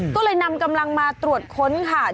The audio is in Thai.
ก็เลยนำกำลังมาตรวจค้นค่ะ